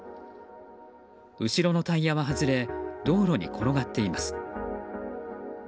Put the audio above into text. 後ろのタイヤは外れ道路に転がっています。